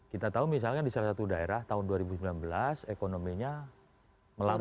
kita tahu misalnya di salah satu daerah tahun dua ribu sembilan belas ekonominya melambat